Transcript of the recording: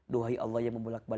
doai allah yang membalikkan hati